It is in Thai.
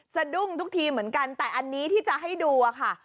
สะดุ้งทุกทีเหมือนกันแต่อันนี้ที่จะให้ดูค่ะ